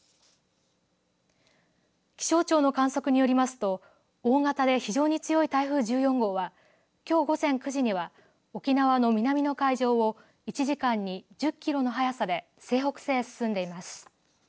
気象庁の観測によりますと大型で非常に強い台風１４号はきょう午前９時には沖縄の南の海上を１時間に１０キロの速さで西北西へ進んでいます。